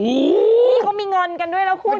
นี่เขามีง่อนกันด้วยแล้วคู่นี้